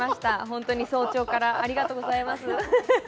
本当に早朝からありがとうございます。